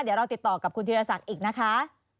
เดี๋ยวเราติดต่อกับคุณธีรศักดิ์อีกนะคะ